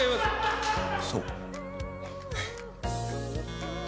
そう？